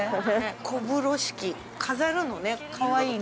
小風呂敷、飾るのね、かわいいね。